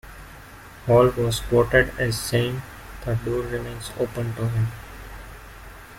Hall was quoted as saying "the door remains open to him".